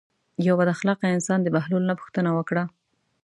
یو بد اخلاقه انسان د بهلول نه پوښتنه وکړه.